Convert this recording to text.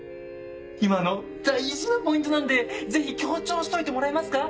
今の大事なポイントなんでぜひ強調しといてもらえますか？